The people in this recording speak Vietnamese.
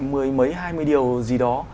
mười mấy hai mươi điều gì đó